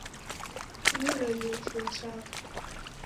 Kunilolie chuo chapo